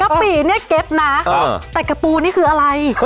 กปีเนี่ยเก็ตนะแต่กระปูนี่คืออะไร